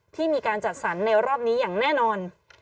ที่มีการจัดสรรในรอบนี้อย่างแน่นอน